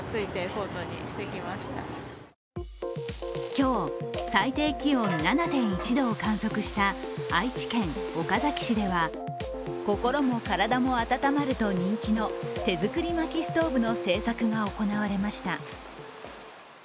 今日、最低気温７．１度を観測した愛知県岡崎市では心も体も暖まると人気の手作りまきストーブの制作が行われました。